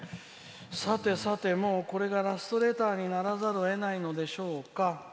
さてさて、もうこれがラストレターにならざるをえないのでしょうか。